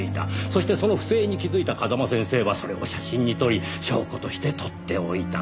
そしてその不正に気づいた風間先生はそれを写真に撮り証拠として取っておいた。